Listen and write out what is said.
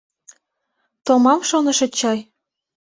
— Томам шонышыч чай?